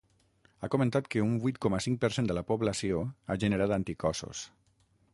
Ha comentat que un vuit coma cinc per cent de la població ha generat anticossos.